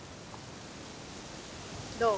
どう？